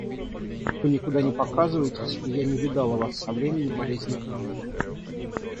Вы никуда не показываетесь, и я не видала вас со времени болезни Анны.